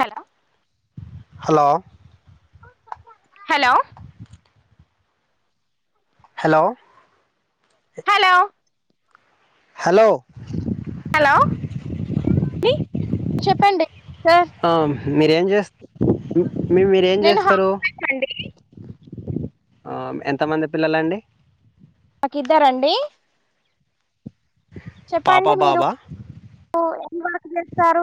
Hello hello hello hello hello hello hello చెప్పండి sir ఆ మీరేం చేస్త మీ మీరేమ్ నేను హ చేస్తరు చెప్పండి ఆ ఎంతమంది పిల్లలండి నాకిద్దరండి పాప చెప్పండి మీరు బాబా వర్క్ చేస్తారు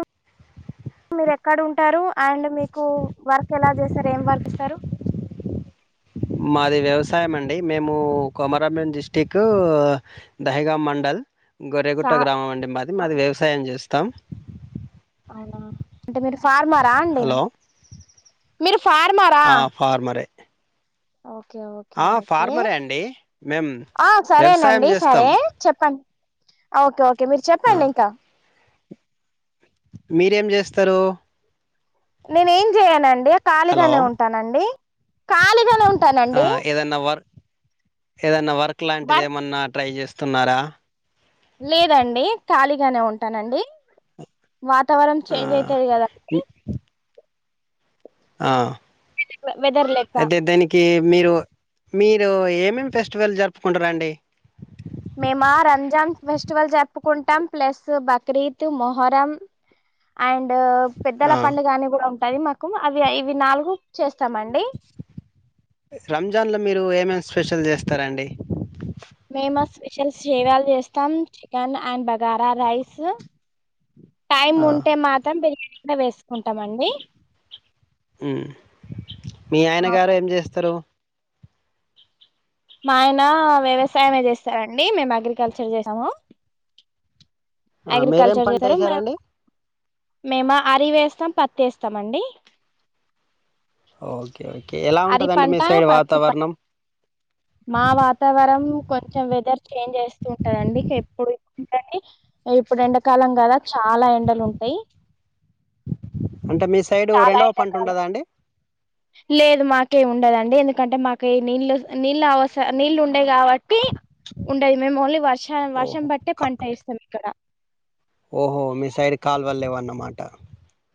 మీరు ఎక్కడ ఉంటారు అండ్ మీకు వర్క్ ఎలా చేస్తారు ఏం వర్క్ ఇస్తరు మాది వ్యవసాయం అండి మేము కొమరంభీమ్ డిస్టిక్ దహేగాం మండల్ సా గొరెగుట్ట గ్రామం అండి మాది మాది వ్యవసాయం జెస్ తం అంటే మీరు ఫార్మర్ రాండి హలో మీరు ఫార్మారా ఆ ఫార్మరే ఒకే ఒకే ఆ ఒకే ఫార్మరే అండి మేం ఆ వ్యవసాయం సరేనండి చేస్తాం సరే చెప్పండి ఓకే ఓకే ఇక మీరు ఆ చెప్పండి ఇంక మీరేం చేస్తరు నేను ఏం చేయనండి హలో ఖాళీగానే ఉంటానండి ఖాళీగానే ఆ ఉంటానండి ఏదన్నా వర్క్ వర్ తున్నర లేదండి ఖాళీగానే ఉంటానండి వాతావరం ఆ చేంజ్ అయితది కదండి ఆ వె వెదర్లెక్క మీరు-మీరు ఏమేమి ఫెస్టివల్ జరుపుకుంటరండి మేమా రంజాన్ ఫెస్టివల్ జరుపుకుంటం ప్లస్ బక్రీద్ మొహరం అండ్ పెద్దల ఆ పండుగ గాని కూడా అవి మాకు అవి ఇవి నాలుగు చేస్తామండి రంజాన్లో మీరు ఏమేమి స్పెషల్ చేస్తారాండి మేము స్పెషల్ సేవలు చేస్తాం chicken and bagara rice time ఆ ఉంటే మాత్రం పెరిగి ఇక్కడ వేసుకుంటామండి ఉ మీ ఆయన గారు అవును, ఏం చేస్తారు మా ఆయన వ్యవసాయే చేస్తారండి మేము అగ్రికల్చర్ చేసాము మీరేం అగ్రికల్చర్ పంట చేస్తారు మే చేసారంండి మేము అరివేస్తాం పత్తి వేస్తామ అండి ఓకే ఓకే ఎలా ఉంటందండి మీ పంట సైడ్ పత్తి పంట వాతావరణం మా వాతావరణం కొంచెం వెదర్ చేంజ్ వస్త ఉంటదండి ఎప్పుడుంటడి ఇప్పుడు ఎండాకాలం కదా చాలా ఎండలు ఉంటాయి అంటే మీ సైడ్ చాలా రెండవ పంట ఎండాకాలం ఉంటదా అండి లేదు మాకే ఉండదండి ఎందుకంటే మాక నీళ్లు నీళ్ళు అవసర నీళ్ళు ఉండేవి కాబట్టి టీ చెప్పి ఉండది మేము ఓన్లీ వర్ష వర్షం ఓహో బట్టే కా పంట ఇస్తాం ఇక్కడ ఓహో మీ సైడ్ కాల్ వాల్లేవా అన్నమాట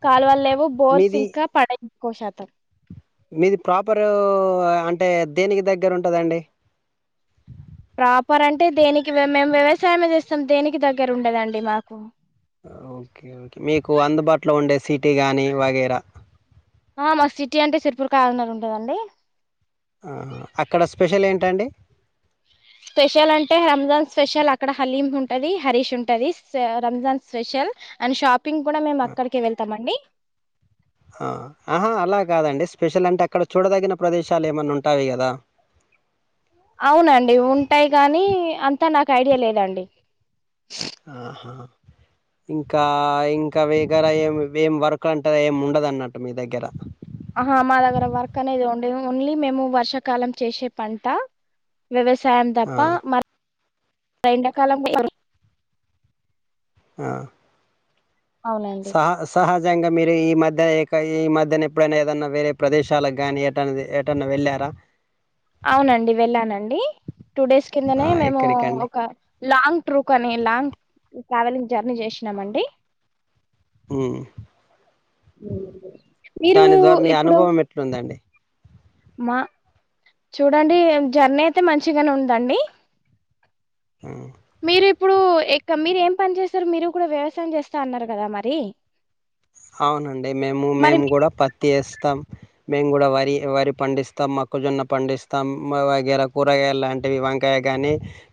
కాలు వల్ళ లేవు బోర్స్ ఇంక పడ కోషాతర్ మీది ప్రాపరు అంటే దేనికి దగ్గర ఉంటదండి ప్రాపర్ అంటే దేనికి మేము వ్యవసాయే చేస్తాం దేనికి దగ్గర ఉండదండి మాకు ఒకే ఒకే మీకు అందుబాటులో ఉండే సిటీ కాగానీ వగైరా టీ అంటే చిరుపూర్ కార్నర్ ఉంటదండి అక్కడ స్పెషల్ ఏంటండి స్పెషల్ అంటే రంజాన్ స్పెషల్ అక్కడ హలీం ఉంటది హరీష్ ఉంటది Ramzan special and shop pink కూడ మేము అక్కడికే వెళ్తామండి ఆహా అలా కాదండి స్పెషల్ అంటే అక్కడ చూడదగిన ప్రదేశాలు ఏమన్నా ఉంటాయి కదా అవునండి ఉంటాయి కాగానీ అంతా నాకు ఐడియా లేదండి ఆహా ఇంకా ఇంకా వగర ఏం ఏం వర్క్లు అంటారు ఏం ఉండదు అన్నట్టు మీ దగ్గర ఆహా మా దగ్గర వర్క్ అనేది ఉండేది ఓన్లీ మేము వర్షాకాలం చేసే పంట వ్యవస్ ఆ! చ్చాందప్ప మరి ఆ ఎండాకాలం [unintelligible] ఆ అవునండి సా సహాజాంగా మీరు ఈ మధ్య ఎక్క ఈ మధ్యన ఎప్పుడైనా ఏదన్నా వేరే ప్రదేశాలకుగ్గాని ఏట ఏటన్నా వెళ్ళారా. అవునండి వెళ్ళానండి టూ డేస్ ఆ! కిందనే మేము ఎక్కడికండి? ఒక లాంగ్ ట్రూ కని లాంగ్ ట్రావెలింగ్ జర్నీ చేసినామండి మ్మ్ మీరు దాని ద్వారా మీ ఇప్పుడు అనుభవం ఎట్లుందండి మా చూడండి జర్నీ అయితే మంచిగానే ఉందండి హ్మ్. మీరు ఇప్పుడు ఎ కా మీరు ఏం పని చేస్తారు, మీరు కూడా వ్యవసాయం చేస్తా అన్నారు కదా మరి, అవునండి మేము మరి మేము మీ కూడా పత్తి వేస్ త్తం మేము కూడా వరి వరి పండిస్తాం, మొక్కజొన్న పండిస్తాం మ వగైర కూరగాయలాంటివి వంకాయ గానీ,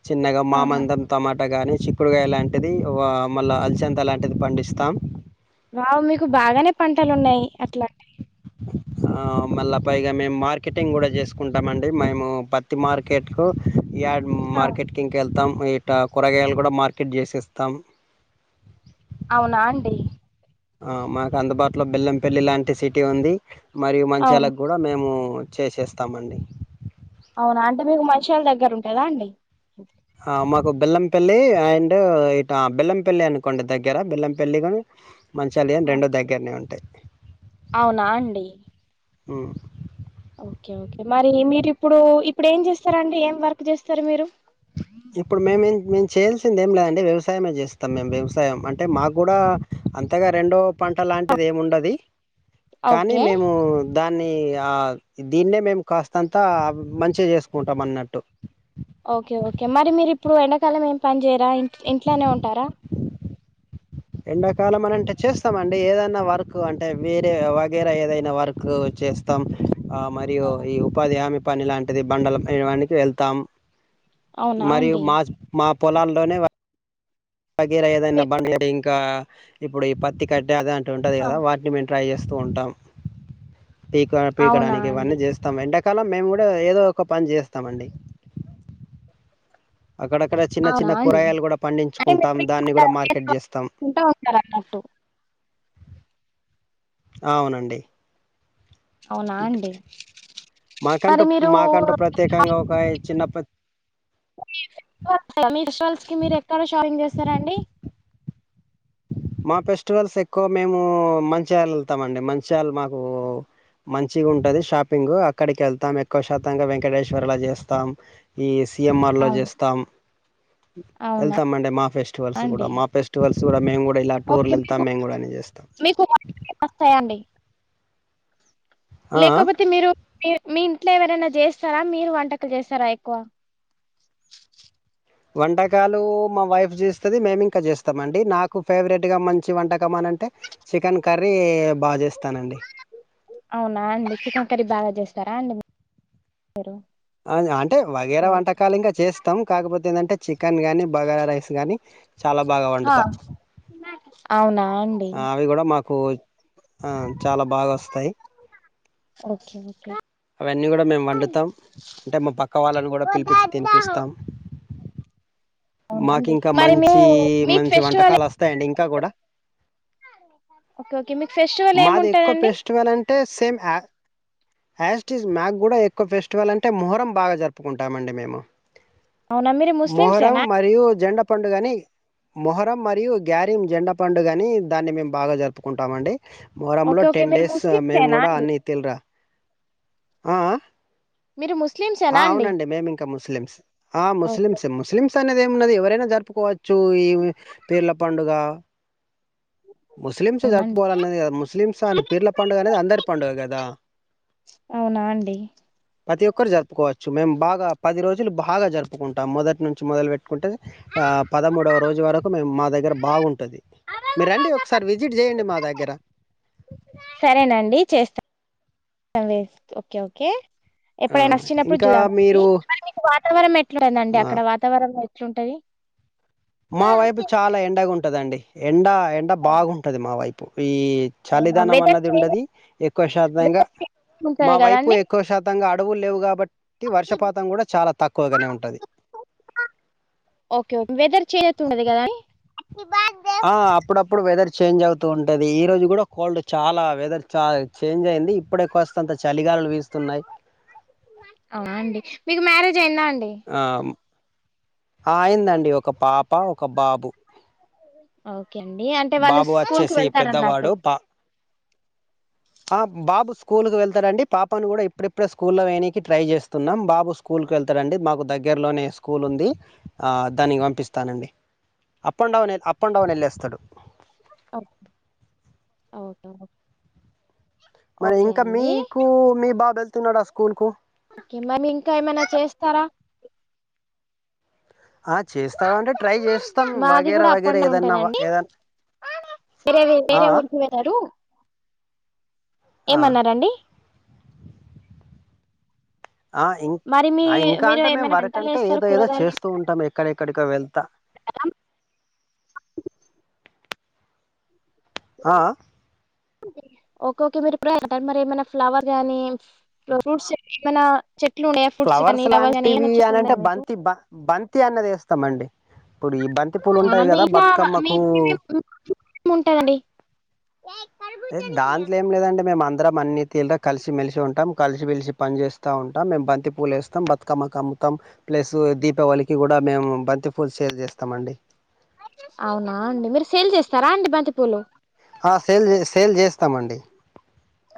చిన్నగా ఆహా! మామందం టమాటా గాని చి క్కుడుగాయలాంటిది వా మళ్ళీ అల్చంద లాంటిది పండిస్తాం వావ్ మీకు బాగానే పంటలు ఉన్నాయి అట్లా ఆ మళ్ళా పైగా మేము మార్కెటింగ్ కూడా చేసుకుంటమండి మేము పత్తి మార్కెట్లు యాడ్ ఆ! మార్కెట్కింక్ కెల్ కెల్తం ఇట్ట కూరగాయలు కూడా మార్కెట్ చేసేస్తాం అవునా అండి ఆ మాకు అందుబాటులో బెల్లంపల్లి లాంటి సిటీ టి ఉంది మరియు అవును మంచ్యాలకు కూడా మేము చేసేస్తామండి అవునా అంటే మీకు మంచ్యాల దగ్గర ఉంటాదా అండి ఆ మాకు బెల్లంపల్లి అండ్ ఇట బెల్లంపల్లి అనుకోండి దగ్గర బెల్లంపల్లి కాని మంచ్యాల అవి ఆ! రెండూ దగ్గరనే ఉంటాయి అవునా అండి ఆ మరి మీరు ఇప్పుడు ఇప్పుడు ఏం చేస్తార అండి ఏం వర్క్ చేస్తారు మీరు ఇప్పుడు మేము ఏం మేం చేల్ వచ్చింది ఏం లేఅండి వ్యవసాయమే చేస్తాం మేము వ్యవసాయం అంటే మాకు గూడా అంతగా రెండో పంట లాంటిది ఏముండది. కానీ ఓకే మేము దాన్ని ఆ దీన్నే మేము కాస్తంతా మంచిగా చేసుకుంటాం అన్నట్టు ఓకే ఓకే మరి మీరు ఇప్పుడు ఎండాకాలం ఏం పని చేయరా ఇ ఇంట్లోనే ఉంటారా ఎండాకాలం అని అంటే చేస్తామ అండి ఏదన్నా వర్క్ అంటే వేరే వగైరా ఏదైనా వర్క్ చేస్తాం ఆ మరియు ఈ ఉపాధి హామీ పని లాంటిది బండలపని వానికి వెళ్తాం అవునా మరి అండి మా మా పొలాల్లోనే వగైర ఏదై [unintelligible] మీ నా బ ఇంకా ఇప్పుడు ఈ పత్తి కట్టేదం ఉంటది ఆ! కదా వాటిని మేం ట్రై చేస్తా తూ ఉంటాం పీక అవునా పీకడానికి అండి ఇవన్నీ చేస్తాం అంటే కాలం మేము కూడా ఏదో ఒక పని చేస్తామండి అక్కడక్కడ చిన్న అవునా చిన్న అండి కూరగాయలు కూడా అంటే పండించుకుంటాం మీరు దాన్ని ఇంకా కూడా మార్కెట్ చేస్తాం కుంటా ఉంటారు అన్నట్టు అవునండి అవునా అండి మరి మాకంటూ మీరు మాకంటూ ప్రత్యేకంగా ఒక చిన్నప్ప మీ ఫెస్టివల్స్ కి మీరు ఎక్కడ షాపింగ్ చేస్తారండి మా ఫెస్టివల్స్ ఎక్కువ మేము మంచ్యాల వెళ్తాం అండి మంచ్యాల మాకు మంచిగా ఉంటది షాపింగ్ అక్కడికి వెళ్తాం ఎక్కువ శాతంగా వెంకటేశ్వర్లా చేస్తాం ఈ సి ఎం ఆర్లో అవును చేస్తాం అవునా వెళ్తామ అండి మా ఫెస్టివల్స్ కూడా అండి మా ఫెస్టివల్స్ మేము కూడా ఇలా టూర్లు ఓకే వెళ్తాం మీకు మేము కూడా అని చేస్తాం మీకు వస్తాయండి ఆ లేకపోతే మీరు మీ మీ ఇంట్లో ఎవరైనా చేస్తారా మీరు వంటకాలు చేస్తారా ఎక్కువ వంటకాలు మా వైఫ్ చేస్తది. మేము ఇంకా చేస్తాం అండి నాకు ఫేవరెట్గా మంచి వంటకం అని అంటే చికెన్ కర్రీ బాగా చేస్తానండి అవునా అండి చికన్ కర్రీ బాగా చేస్ చేస్తరా అండి అంటే వగేర ఓకే. వంటకాలు ఇంకా చేస్తాం కాకపోతే ఏంటంటే చికెన్ కానీ బగార రైస్ గానీ చాలా బాగా హా వండుతా అవునా అండి అవి గూడ మాక్ పోఆ చాలా బాగా వస్తాయ్ ఓకే ఓకే అవన్నీ కూడా మేము వండుతాం అంటే మా పక్క వాళ్ళని కూడా పిలిపిచ్చి తినిపిస్తాం మాకు అవునండి ఇంకా మరి మీరు మంచీ మీకు మంచి ఫెస్టివల్ వంటకాలు వస్తాయండి ఇంకా కూడా ఓకే ఓకే మీకు ఫెస్టివల్ మాది ఎక్కువ ఏముంటదండి ఫెస్టివల్ అంటే సేమ్ స్స్ మ్యాక్ కూడా ఎక్కువ ఫెస్టివల్ అంటే మొహరం బాగా జరుపుకుంటామ అండి మేము అవునా మీరు మొహరం ముస్లిమ్సేనా? మరియు జండ పండుగని మొహరం మరియు గ్యారిం జెండ పండుగని దాన్ని మేము బాగా జరుపుకుంటమండి మొరంలో ఓకే ఓకే టెన్ మీరు డేస్ మేము ముస్లిమ్సేనా కూడా అండి? అన్ని తలిరా ఆ మీరు ఆ ముస్లిమ్సేనా అండి? అవునండి మేమి ఇంకా ముస్లిమ్స్ ఆ ఓకే ముస్లిమ్స్ ముస్లిమ్స్ అనేది ద ఏన్నది ఎవరైనా జరుపుకోవచ్చు ఈ పేర్ల పండుగ ముస్లిమ్స్ అవునా అండి. జరుపుకోవాలనేది క ముస్లిమ్స్ అని పిర్ల పండుగ అనేది అందరి పండుగ కదా అవునా అండి ప్రతి ఒక్కరు జరుపుకోవచ్చు మేము బాగా పది రోజులు బాగా జరుపుకుంటాం మొదటి నుంచి మొదలు పెట్టుకుంటే పదమూడవ రోజు వరకు మేము మా దగ్గర దగ్గర బాగుంటుంది మీరుండి ఒకసారి విజిట్ చేయండి మా దగ్గర సరేనండి చేస్తాను ఓకే ఓకే ఆ ఎప్పుడైనా వచ్చినప్పుడు ఇంకా చూద్దామండి మీరు తరి మ ఎట్ందడి ఆ అక్కడ వాతావరణం ఎట్లుంటది మా వైపు చాలా ఎండగా ఉంటంది ఉంటుందండి ఎండ ఎండ బాగుంటుంది మా వైపు ఈ అవునా చలిదానం వెదర్ అన్నది చేంజ్ ఉండది ఎక్కువ శాతంగా వెదర్ చేంజ్ మా ఉంటది వైపు కదండి. ఎక్కువ శాతంగా ఆ అడవు లేవు కాబట్టి ఇ వర్షపాతం కూడా చాలా తక్కువగానే ఉంటది ఉండది కదా ఆ అప్పుడప్పుడు వెదర్ చేంజ్ అవుతూ ఉంటది ఈ రోజు కూడా కోల్డ్ చాలా వెదర్ చ చేంజ్ అయింది ఇప్పుడే కాస్త అంత చలి గాలులు వీస్తున్నాయి అవ్వండి మీకు మ్యారేజ్ చెందా అండి ఆ అయిందండి ఒక పాప ఒక బాబు అవు ఓకే అండి అంటే వాళ్ళు బాబు స్కూల్ కి వచ్చేసి వెళ్తారు అన్నట్టు పెద్దవాడు. పా ఆ బాబు స్కూల్కి వెళ్తాడండి పాపను కూడా ఇప్పుడిప్పుడే స్కూల్లో వేనికి ట్రై చేస్తున్నాం బాబు స్కూల్కి వెళ్తాడుండి మాకు దగ్గరలోనే స్కూల్ ఉంది ఆ దానికి పంపిస్తానండి up and down up and down వెళ్ళేస్తాడు ఓ ఓకే మరి ఓకే ఇంకా అండి మీకు మీ బాబ ఉన్నాడా స్కూలుకు కే మరి ఇంకా ఏమైనా చేస్తారా ఆ చేస్తావాంటే ట్రై చేస్తాం మాది వగైర కూడా అప్ వగేర అండ్ డౌన్ ఏదన్నా ఉంటదండి ఏదన్నా వేరే ఆ వేరే ఆ ఆ! ఏమన్నరాండి ఆ ఇం ఇంకా మీరు అంటే మేము ఏమైనా పంటలు వరకంటే వేస్తారు ఏదో ఏదో కూరగాయలు చేస్తూ ఉంటాము ఎక్కడెక్కడికో వెళ్తా వేస్తారా ఆ ఆ ఓకే ఓకే మీరు ఇప్పుడ అంటారు మరి ఏమైనా ఫ్లవర్ గానీ ఫ్రూట్స్ ఏమైనా చెట్లు ఉన్నాయా ఫ్రూట్స్ కానీ ఫ్లవర్స్ కానీ లాంటివి ఏమైనా చెట్లు అనింటే ఉన్నాయా మీకు బంతి బ బంతి అన్నది ఇస్తామండి అవునా మీ బతుకమ్మకు ఇంట్లో మీ ఉంటాదండి దాంట్లో ఏం లేదండి మేమన్ దరం అన్ని తీర్ల కలిసిమెలిసి ఉంటాం కలిసి మెలిసి పని చేేస్తా ఉంటాం మేము బంతి పూలేస్తాం బతుకమ్మ కమ్ తం ప్లస్ దీపావళికి కూడా మేము బంతి ఫుల్ సేల్ చేస్తామండి అవునా అండి మీరు సేల్ చేస్తారా అండి బంతిపూలు ఆ సేల్ సేల్ చేస్తామండి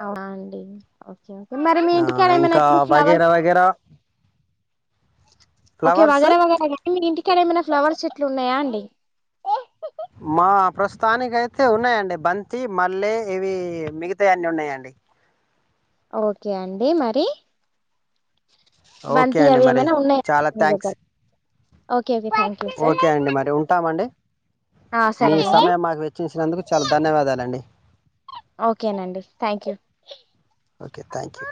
అవునా అండి ఓకే ఓకే మరి మీ ఆ ఇంటికిడ ఏమైనా ఇంకా ఇప్పుడు ఫ్లవర్స్ వగేరా వగేరా ఓకే ఫ్లవర్స్ వగేరా వగేర మీ ఇంటికాడ ఏమన్న ఫ్లవర్ చెట్లు ఉన్నాయా అండి మా ప్రస్తుతానికి అయితే ఉన్నాయండి బంతి, మల్లె, ఇవి మిగతా అన్ని ఉన్నాయండి ఓకే అండి మరి ఓకే బంతి అండి అవి మరి ఏమైనా ఉన్నాయి చాలా మీ థ్యాంక్స్ దగ్గర okay okay thank you sir okay అండి మరి ఉంటామ అండి మీ సరేనండి సమయం మాకు వెచ్చించినందుకు చాలా ధన్యవాదాలండి ఒకే నండి thank you okay thank you